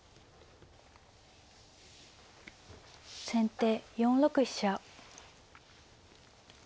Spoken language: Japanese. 先手４六飛車。